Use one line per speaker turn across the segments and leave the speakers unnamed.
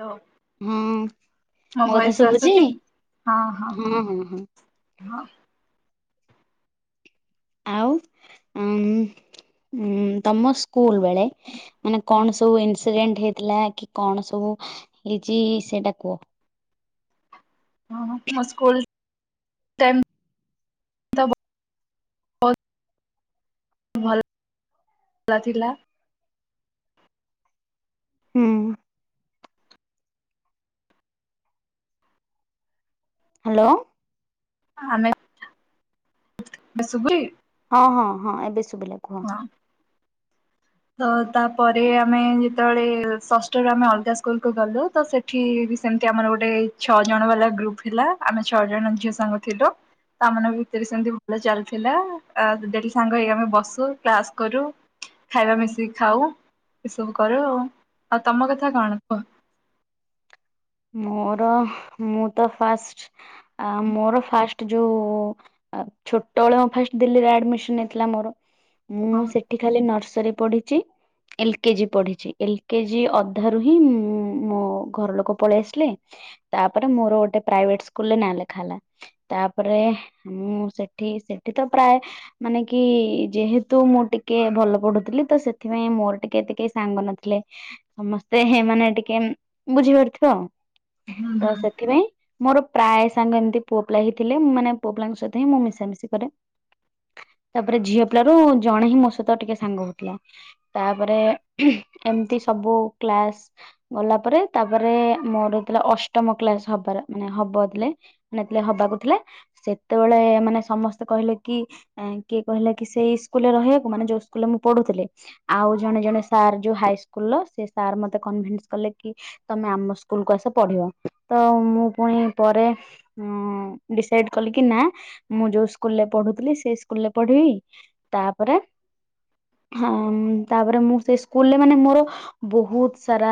Hello.
ହଁ
ମୋ
କଥା
ଭୟସ୍
ଶୁଭୁଛି
ଆସୁଚି ହଁ ହଁ ହଁ।
ଆଉ ଉଁ ଉଁ ତମସ୍ ସ୍କୁଲ୍ ବେଳେ ମାନେ କଣସବୁ ଏନସ୍ ରେଣ୍ଟ ହେଇଥିଲା କି କଣ ସବୁ ହେଇଚି ସେଇଟା କୁଅ?
ହଁ ହଁ ମୋ ସ୍କୁଲ୍ ଟେନ୍ [unintelligible] ଭଲ ଥିଲା।
ହୁଁ। ହାଲୋ।
ଆମେ [unintelligible]
ହଁ ହଁ ହଁ ଏବେ ଶୁବିଲା।
ହଁ। ତ ତାପରେ ଆମେ ଯେତେବେଳେ ଷଷ୍ଠରେ ଆମେ ଅଲଗା ସ୍କୁଲକୁୁ ଗଲୁ ତୋ ସେ ଏଠିବି ସେମିତି ଆମର ଗୋଟେ ଛଅ ଜଣ ବାଲା ଗ୍ରୁପ୍ ଥିଲା ଆମେ ଛଅ ଜଣ ଝିଅ ସାଙ୍ଗ ଥିଲୁ। ତା ମାନଙ୍କ ଭିତରେ ସେମିତି ଭଲ ଚାଲିଥିଲା ଡେଲି ସାଙ୍ଗ ହେଇ ଆମେ ବସୁ କ୍ଲାସ୍ କରୁ ଖାଇବା ମିଶିକି ଖାଉ ଏସବୁ କରୁ ଆଉ ତମ କଥା କଣ କୁଅ?
ମୋର ମୁଁତ ଫାଷ୍ଟ ମୋର ଫାଷ୍ଟ ଯୋଉ ଛୋଟବେଳେ ଫା ଦିଲ୍ଲୀରେ ଆଡ଼ମିଶନ ହେଇଥିଲା ମୋର
ହଁ
ମୁଁ ସେଠି ଖାଲି ନର୍ସରୀ ପଢିଚି ଏଲ କେଜି ପଢିଛି ଏଲ କେଜି ଅଧାରୁହିଁ ମୁଁ ମୋ ଘର ଲୋକ ପଳେଇ ଆସିଲେ ତାପରେ ମୋର ଗୋଟେ ପ୍ରାଇଭେଟ୍ ସ୍କୁଲରେ ନାଁ ଲେଖା ହେଲା। ତାପରେ ମୁଁ ସେଠି ସେଠିତ ପ୍ରାୟେ ମାନେକି ଯେହେତୁ ମୁଁ ଟିକେ ଭଲ ପଢୁଥିଲିତ ସେଥିପାଇଁ ମୋର ଟିକେ ଏତେ କେହି ସାଙ୍ଗ ନଥିଲେ। ସମସ୍ତେ ମାନେ ଟିକେ ବୁଝିପାରୁିଥିବ
ହୁଁ
ତସେଥିପାଇଁ ମୋର ପ୍ରାୟ ସାଙ୍ଗ ଏମିତି ପୁଅପିଲାହିଁ ଥିଲେଁ ମୁଁ ମାନେ ପୁଅପିଲାଙ୍କ ସହିତ ହିଁ ମୁଁ ମିଶାମିଶି କରେ ତାପରେ ଝିଅ ପିଲାରୁ ଜଣେହିଁ ମୋ ସହିତ ଟିକେ ସାଙ୍ଗ ହଉଥିଲା। ତାପରେ ଏମିତି ସବୁ କ୍ଲାସ୍ ଗଲା ପରେ ତାପରେ ମୋର ଥିଲା ଅଷ୍ଟମ କ୍ଲାସ ହବାର ମାନେ ହବ ଥିଲେ ନେ ନେ ହବାକୁ ଥିଲେ। ସେତବଳେ ମାନେ ସମସ୍ତେ କହିଲେ କି ଆଁ କିଏ କହିଲା କି ସେଇ ସ୍କୁଲରେ ରହିଆକୁ ମାନେ ଯୋଉ ସ୍କୁଲରେ ମୁଁ ପଢୁଥିଲି। ଆଉ ଜଣେ ଜଣେ ସାର୍ ଯୋଉ ହାଇସ୍କୁଲର ସେ ସାର୍ ମତେ କନଭିନ୍ସ କଲେ କି ତମେ ଆମ ସ୍କୁଲକୁ ଆସ ପଢିବ। ତ ମୁଁ ପୁଣି ପରେ ଅଁ ଡିସାଇଡ୍ କଲି କି ନା ମୁଁ ଯୋଉ ସ୍କୁଲରେ ପଢୁଥିଲି ସେଇ ସ୍କୁଲରେ ପଢିବି ତାପରେ ହଁ ଉଁ ତାପରେ ମୁଁ ସେଇ ସ୍କୁଲରେ ମାନେ ମୋର ବହୁତ ସାରା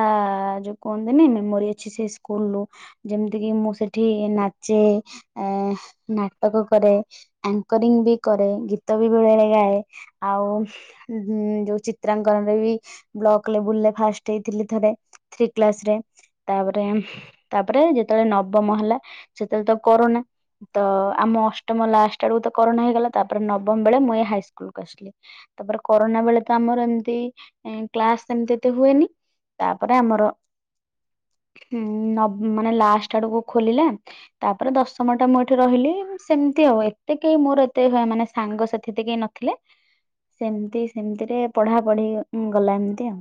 ଯୋଉ କୁହନ୍ତିନି ମେମୋରୀ ଅଛି ସେ ସ୍କୁଲରୁ। ଯେମତି କିି ମୁଁ ସେଠି ନାଚେ ଆ ନାଟକ କରେ। ଆଙ୍କରିଙ୍ଗ ବି କରେ ଗୀତ ବି ବେଳେବେଳେ ଗାଏ ଆଉ ଉଁ ଯୋଉ ଚିତ୍ରାଙ୍କନରେ ବି ବ୍ଲକ ଲେବୁଲରେ ଫାଷ୍ଟ ହେଇଥିଲି ଥରେ। ଥ୍ରୀ କ୍ଲାସ ରେ। ତାପରେ ତାପରେ ଯେତବଳେ ନବମ ହେଲା ସେତେବେଳେ ତ କରୋନା। ତ ଆମ ଅଷ୍ଟମ ଲାଷ୍ଟ ଆଡକୁ ତ କରୋନା ହେଇଗଲା ତାପରେ ନବମ ବେଳେ ମୁଁ ଏ ହାଇସ୍କୁଲକୁ ଆସିଲି। ତାପରେ କରୋନା ବେଳେ ତ ଆମର ଏମତି ଏଁ କ୍ଲାସ ସେମତି ଏତେ ହୁଏନି। ତାପରେ ଆମର ହୁଁ ନ ମାନେ ଲାଷ୍ଟ ଆଡୁକୁ ଖୋଲିଲା। ତାପରେ ଦଶମ ଟା ମୁଁ ଏଠି ରହିଲି ସେମତି ଆଉ ଏତେ କେହି ମୋର ଏତେ ହେ ମାନେ ସାଙ୍ଗସାଥି ଏତେ କେହି ନ ଥିଲେ ସେମତି ସେମତିରେ ପଢା ପଢି ଉଁ ଗଲା ଏମତି ଆଉ।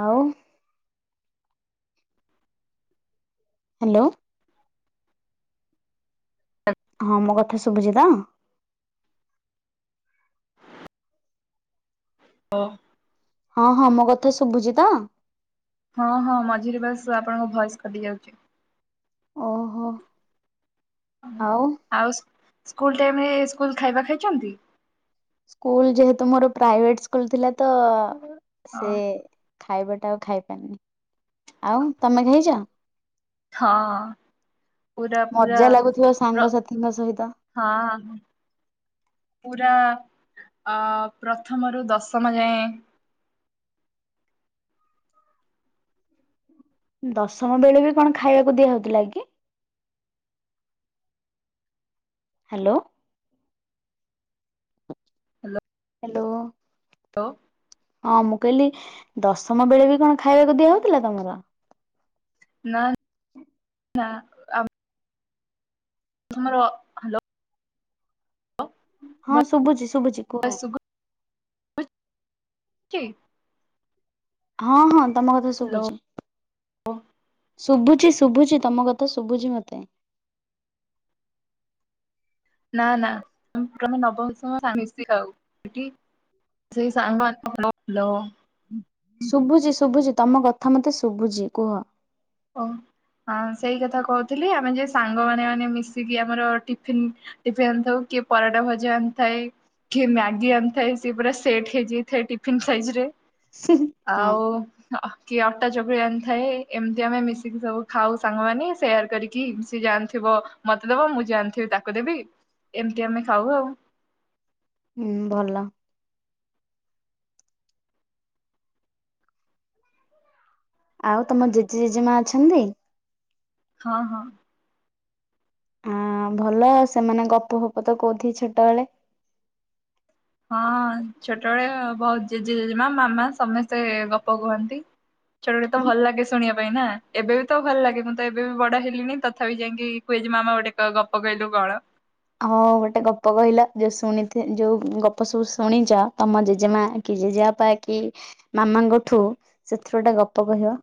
ଆଉ। ହାଲୋ।
ହୁଁ
ହଁ ମୋ କଥା ଶୁଭୁଚି ତ?
ହଁ।
ହଁ ହଁ ମୋ କଥା ଶୁଭୁଚି ତ।
ହଁ ହଁ ମଝିରେ ବାସ୍ ଆପଣଙ୍କ ଭଏସ୍ କଟି ଯାଉଚି।
ଓ ହୋ ଆଉ
ଆଉ ସ୍କୁଲ ଟାଇମ ରେ ସ୍କୁଲ ଖାଇବା ଖାଇଚନ୍ତି?
ସ୍କୁଲ ଯେହେତୁ ମୋର ପ୍ରାଇଭେଟ ସ୍କୁଲ ଥିଲା ତ ସେ
ହଁ
ଖାଇବାଟା ଆଉ ଖାଇପାରିନିନି ଆଉ ତମେ ଖାଇଚ?
ହଁ ପୁରା ପୁରା
ମଜା ଲାଗୁଥିବ
ପ୍ର
ସାଙ୍ଗସାଥିଙ୍କ ସହିତ।
ହଁ ହଁ। ପୁରା ଅ ପ୍ରଥମରୁ ଦଶମ ଯାଏଁ।
ଦଶମ ବେଳେ ବି କଣ ଖାଇବାକୁ ଦିଆ ହଉଥିଲା କି? ହାଲୋ।
ହାଲୋ।
ହ୍ୟାଲୋ।
ଲୋ।
ହଁ ମୁଁ କହିଲି ଦଶମ ବେଳେ ବି କଣ ଖାଇବାକୁ ଦିଆ ହଉଥିଲା ତମର?
ନା। ଟ୍ରା। ତମର
ହଁ
ଭଏସ
ଶୁଭୁଚି ଶୁଭୁଚି କୁହ।
ଚି
ହଁ -ହଁ ତମ କଥା
ହ୍ୟାଲୋ
ଶୁଭୁଚି। ଶୁଭୁଚି, ଶୁଭୁଚି ତମ କଥା ଶୁଭୁଚି ମତେ
ନା ନା ନବମ ଦଶମ ସାଙ୍ଗ ମିଶି ଖାଉ ସେଠି ସେଇ ସାଙ୍ଗମାନେ [unintelligible]
ଶୁଭୁଛି ଶୁଭୁଛି ତମ କଥା ମତେ ଶୁଭୁଛି କୁହ।
ଓ ହଁ ସେଇ କଥା କହୁଥିଲି ଆମେ ଯେ ସାଙ୍ଗମାନେ ମାନେ ମିଶିକି ଆମର ଟିଫିନ୍ ଟିଫନ୍ ଆଣିଥାଉ, କିଏ ପରଟା ଭଜା ଆଣିଥାଏ? କିଏ ମ୍ୟାଗି ଆଣିଥାଏ ସିଏ ପୁରା ସେଟ୍ ହେଇଯାଇଥାଏ ଟିଫିନ୍ ସାଇଜରେ
ହଁ
ଆଉ କି ଅଟା ଚକୁଳି ଏମି଼ତି ଥାଏ ଏମତି ଯିଏ ଆମେ ମିଶିକି ସବୁ ଖାଉ ସାଙ୍ଗମାନେ ସେୟାର କରିକି ସିଏ ଯାହା ଆଣିଥିବ ମତେ ଦବ ମୁଁ ଯାହା ଆଣିଥିବି ତାକୁ ଦେବି ଏମିତି ଆମେ ଖାଉ ଆଉ
ହୁଁ ଭଲ। ଆଉ ତମ ଜେଜେ ଜେଜେମା ଅଛନ୍ତି?
ହଁ, ହଁ
ଆ ଭଲ ସେମାନେ ଗପଫପ ତ କହୁଥିବେ ଛୋଟବେଳେ
ହଁ ଛୋଟବେଳେ ବହୁତ ଜେଜେ ଜେଜେମା ମାମା ସମସ୍ତେ ଗପ କହନ୍ତି। ଛୋଟବେଳେ ତ ଭଲ ଲାଗେ ଶୁଣିବା ପାଇଁ ନା ଏବେ ବି ତ ଭଲ ଲାଗେ ମୁଁ ତ ଏବେ ବି ବଡ ହେଲିଣି ତଥାପି ଯାଇକି ଜେଜେମାମା ଗୋଟେ ଗପ କଇଲୁ ଗଳ
ହଁ ଗୋଟେ ଗପ କହିଲ ଯୋଉ ଶୁଣିଥିବ ଯୋଉ ଗପ ସବୁ ଶୁଣିଚ ତମ ଜେଜେମା କି ଜେଜାବାପା କି ମାମାଙ୍କଠୁ ସେଥିରୁ ଗୋଟେ ଗପ କହିବ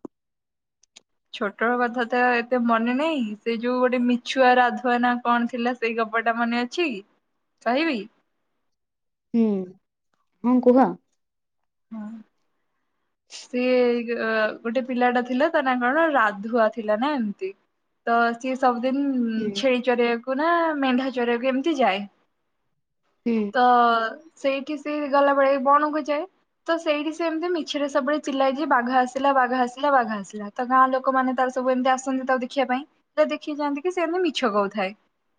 ଛୋଟ କଥା ତ ଏତେ ମନେ ନାହିଁ ସେ ଯୋଉ ଗୋଟେ ମିଛୁଆ ରାଧୁଆ ନା କଣ ଥିଲା ସେଇ ଗପଟା ମନେ ଅଛି କି କହିବି?
ହୁଁ [unintelligible] ହଁ କୁହ।
ହଁ ସିଏ ଗୋଟେ ପିଲାଟା ଥିଲା ତା ନା କଣ ରାଧୁଆ ଥିଲା ନା ଏମିତି ତ ସିଏ ସବୁଦିନ ହୁଁ, ଛେଳି ଚରିଆକୁ ନା ମେଣ୍ଢା ଚରିଆକୁ ଏମିତି ଯାଏ
ହୁଁ
ତ ସେଇଠି ସିଏ ଗଲାବେଳେ ବଣକୁ ଯାଏ ତ ସେଇଠି ସେମି଼ତି ମିଛରେ ସବୁବେଳେ ଚିଲାଇ ଯେ ବାଘ ଆସିଲା, ବାଘ ଆସିଲା, ବାଘ ଆସିଲା ତ ଗାଁ ଲୋକମାନେ ତାର ସବୁ ଏମିତି ଆସନ୍ତି ତାକୁ ଦେଖିବା ପାଇଁ ଦେଖିଯାଆନ୍ତି କି ସେମତି ମିଛ କହୁଥାଏ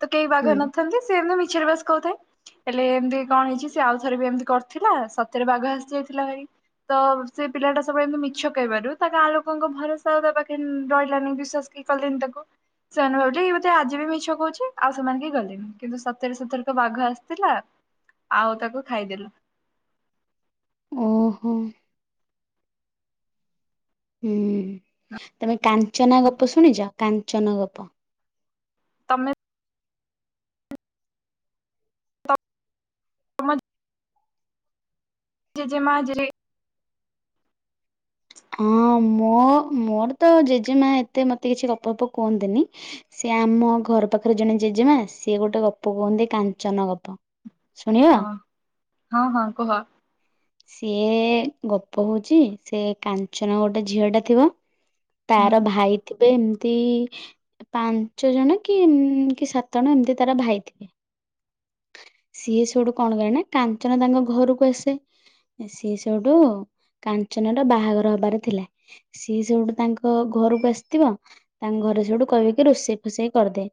ତ କେହି ବାଘ
ହୁଁ
ନଥାନ୍ତି ସେମତି ମିଛରେ ବାସ୍ କହୁଥାଏ ହେଲେ ଏମିତି କଣ ହେଇଚି ସେ ଆଉ ଥରେ ବି ଏମିତି କରିଥିଲା ସତରେ ବାଘ ଆସି ଯାଇଥିଲା ଭାଇ ତ ସେ ପିଲାଟା ସବୁବେଳେ ଏମିତି ମିଛ କହିବାରୁ ତାକୁ ଗାଁଲୋକଙ୍କ ଭରସା ଦେବା ତା ପାଖେ ରହିଲାନି ବିଶ୍ୱାସ କି କଲେନି ତାକୁ ସେମାନେ ଭାବିଲେ ବୋଧେ ଆଜି ବି ମିଛ କହୁଚି ଆଉ ସେମାନେ କେହି ଗଲେନି କିନ୍ତୁ ସତରେ ସତରେ କ ବାଘ ଆସିଥିଲା। ଆଉ ତାକୁ ଖାଇଦେଲେ।
ଓ ହୋ। ହୁଁ, ତମେ କାଞ୍ଚନା ଗପ ଶୁଣିଚ କାଞ୍ଚନ ଗପ?
ତମେ [unintelligible] ଜେଜେମା ଯେ
ହଁ ମୋ ମୋର ତ ଜେଜେମା ଏତେ ମତେ କିଛି ଗପଫପ କୁହନ୍ତିନି ସିଏ ଆମ ଘର ପାଖରେ ଜଣେ ଜେଜେମା ସିଏ ଗୋଟେ ଗପ କୁହନ୍ତି କାଞ୍ଚନ ଗପ। ଶୁଣିବ?
ହଁ, ହଁ -ହଁ କୁହ?
ସିଏ ଗପ ହଉଛି ସେ କାଞ୍ଚନ ଗୋଟେ ଝିଅ ଟା ଥିବ
ହୁଁ।
ତାର ଭାଇ ଥିବେ ଏମିତି ପାଞ୍ଚ ଜଣ କି ମ କି ସାତ ଜଣ ଏମିତି ତାର ଭାଇ ଥିବେ। ସିଏ ସେଠୁ କଣ କରେ ନା କାଞ୍ଚନ ତାଙ୍କ ଘରକୁ ଆସେ। ସିଏ ସେଠୁ କାଞ୍ଚନ ର ବାହାଘର ହବାର ଥିଲା। ସିଏ ସେଇଠୁ ତାଙ୍କ ଘରକୁ ଆସିଥିବ। ତାଙ୍କ ଘରେ ସେଇଠୁ କହିବେ କି ରୋଷେଇ ଫୋଷେଇ କରିଦେଏ।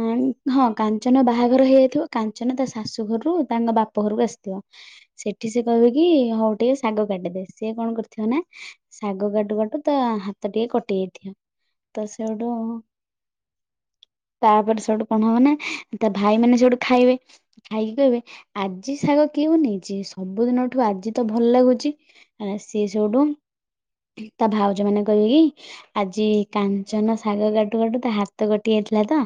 [inaudible] ହଁ କାଞ୍ଚନ ବାହାଘର ହେଇଯାଇଥିବ କାଞ୍ଚନ ତା ଶାଶୁ ଘରରୁ ତାଙ୍କ ବାପ ଘରକୁ ଆସିଥିବ। ସେଠି ସେ କହିବ କି ହଉ ଟିକେ ଶାଗ କାଟିଦେ ସି କଣ କରୁ [unintelligible] ଶାଗ କାଟୁ କାଟୁ ତ ହାତ ଟିକେ କଟି ଯାଇଥିବ। ତ ସେଇଟୁ ତାପରେ ସେଠୁ କଣ ହବ ନା ତା ଭାଇ ମାନେ ସଉଠୁ ଖାଇବେ ଖାଇକି କହିବେ ଆଜି ଶାଗ କିଏ ବନେଇଛି ସବୁଦିନଠୁ ଆଜି ତ ଭଲ ଲାଗୁଛି ସ ସେିଏ ସେଇଠୁ [inaudible] ତା ଭାଉଜ ମାନେ କହିବେ କି ଆଜି କାଞ୍ଚନ ଶାଗ କାଟୁ କାଟୁ ତା ହାତ କଟି ଯାଇଥିଲା ତ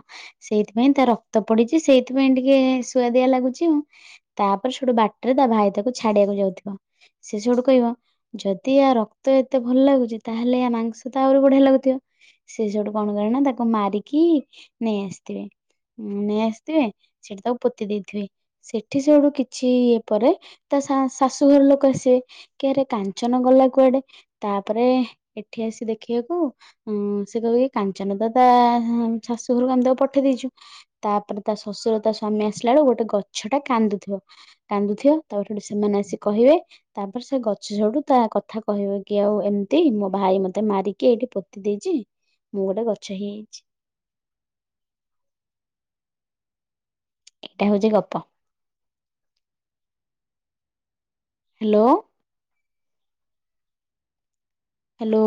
ସେଇଥିପାଇଁ ତା ରକ୍ତ ପଡିଛି ସେଇଥିପାଇଁ ଟିକେ ସୁଆଦିଆ ଲାଗୁଛି ଆଉ। ତାପରେ ସେଟୁ ବାଟରେ ତା ଭାଇ ତାକୁ ଛାଡିବାକୁ ଯାଉଥିବ ସେ ସେଠୁ କହିବ ଯଦି ୟା ରକ୍ତ ଏତେ ଭଲ ଲାଗୁଛି ତାହେଲେ ୟା ମାଂସ ତ ଆହୁରି ବଢିଆ ଲାଗୁଥିବ। ସେ ସଠୁ କଣ କରେ ନା ତାକୁ ମାରିକି ନେଇ ଆସିଥିବେ। ଉଁ ନେଇ ଆସିଥିବେ ସେଠି ତାକୁ ପୋତି ଦେଇଥିବେ। ସେଠି ସେଠୁ କିଛି ଇଏ ପରେ ତା ଶା ଶାଶୁଘର ଲୋକ ଆସିବେ କି ଆରେ କା [unintelligible] ଗଲା କୁଆଡେ ତାପରେ ଏଠି ଆସି ଦେଖିବାକୁ ହୁଁ ସେ କହିବ କାଞ୍ଚନ [unintelligible] ଶାଶୁ ଘରକୁ ଆମେ ତାକୁ ପଠେଇ ଦେଇେଇଛୁ। ତାପରେ ତା ଶଶୁର ତା ସ୍ଵାମୀ ଆସିଲା ବେଳକୁ ଗୋଟେ ଗଛ ଟା କାନ୍ଦୁଥିବ। କାନ୍ଦୁଥିବ ତାପରେ ସେମାନେ ଆସି କହିବେ ତାପରେ ସେ ଗଛ ସୋଠୁ ତା କଥା କହିବ କି ଆଉ ଏମିତି ମୋ ଭାଇ ମତେ ମାରିକି ଏଇଠି ପୋତି ଦେଇଛି। ମୁଁ ଗୋଟେ ଗଛ ହେଇଯାଇଛି। ଏଇଟା ହଉଛି ଗପ। ହ୍ୟାଲୋ? ହ୍ୟାଲୋ?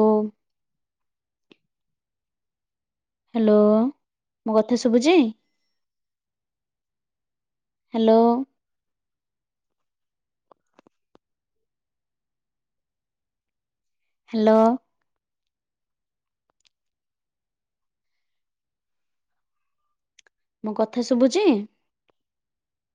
ହ୍ୟାଲୋ ମୋ କଥା ଶୁଭୁଛି? ହ୍ୟାଲୋ? ହ୍ୟାଲୋ? ମୁଁ କଥା ଶୁଭୁଚି?